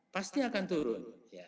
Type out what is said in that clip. pasti akan turun